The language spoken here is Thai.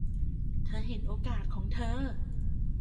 เธอเห็นโอกาสของเธอ